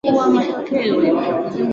mvutano uliopo kati ya washia